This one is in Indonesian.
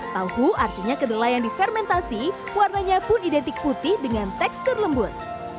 tahu artinya kedelai yang difermentasi warnanya pun identik putih dengan tekstur lembut